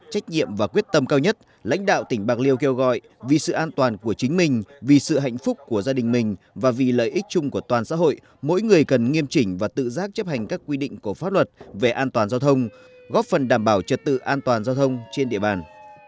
trách nhiệm và quyết tâm cao nhất lãnh đạo tỉnh bạc liêu kêu gọi vì sự an toàn của chính mình vì sự hạnh phúc của gia đình mình và vì lợi ích chung của toàn xã hội mỗi người cần nghiêm chỉnh và tự giác chấp hành các quy định của pháp luật về an toàn giao thông góp phần đảm bảo trật tự an toàn giao thông trên địa bàn